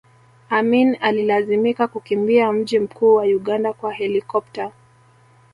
Amin alilazimika kukimbia mji mkuu wa Uganda kwa helikopta